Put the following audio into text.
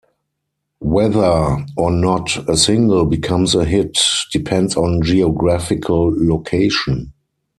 Whether or not a single becomes a hit depends on geographical location.